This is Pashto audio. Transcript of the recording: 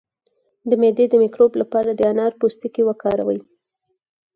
د معدې د مکروب لپاره د انار پوستکی وکاروئ